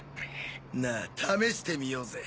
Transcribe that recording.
なあ試してみようぜ！